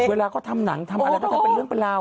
เวลาเขาทำหนังทำอะไรก็ทำเป็นเรื่องเป็นราว